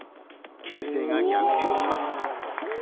形勢が逆転します。